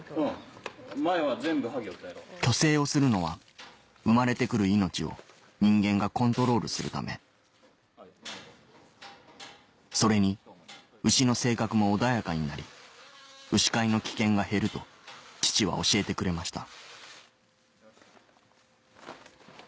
去勢をするのは生まれて来る命を人間がコントロールするためそれに牛の性格も穏やかになり牛飼いの危険が減ると父は教えてくれました